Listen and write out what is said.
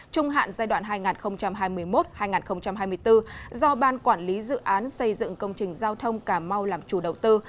trung hạn giai đoạn hai nghìn hai mươi một hai nghìn hai mươi bốn do ban quản lý dự án xây dựng công trình giao thông cà mau làm chủ đầu tư